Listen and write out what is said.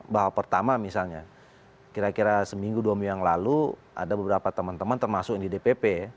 bahwa pertama misalnya kira kira seminggu dua minggu yang lalu ada beberapa teman teman termasuk yang di dpp